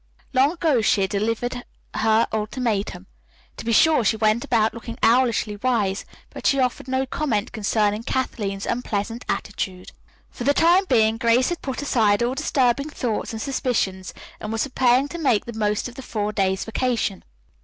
Long ago she had delivered her ultimatum. To be sure, she went about looking owlishly wise, but she offered no comment concerning Kathleen's unpleasant attitude. For the time being Grace had put aside all disturbing thoughts and suspicions, and was preparing to make the most of the four days' vacation.